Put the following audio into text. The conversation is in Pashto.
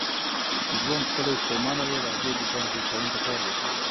ژوند ستړی ستومانه دی، راځئ د ځان هوساینې ته کار وکړو.